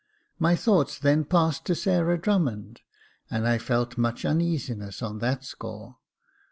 My thoughts then passed to Sarah Drummond, and I felt much uneasiness on that score.